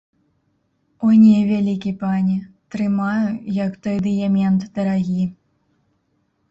О не, вялікі пане, трымаю, як той дыямент дарагі!